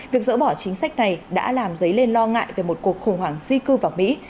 việc dỡ bỏ chính sách này đã làm dấy lên lo ngại về một cuộc khủng hoảng di cư vào mỹ